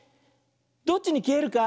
どっちにきえるか？